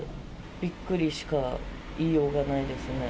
びっくりしか言いようがないですね。